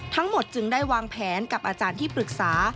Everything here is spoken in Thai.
ทั้งหมดจึงได้วางแผนกับอาจารย์ที่ปรึกษา